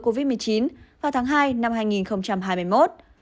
covid một mươi chín vào tháng hai năm hai nghìn hai mươi một